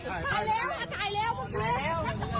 ถ่ายแล้วถ่ายแล้วมันเกลียด